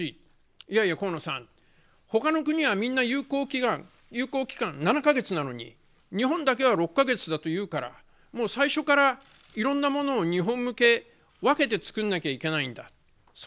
いやいや河野さん、ほかの国がみんな有効期間７か月なのに日本だけは６か月だというから最初からいろんなものを日本向け、分けて作らなきゃいけないんだ。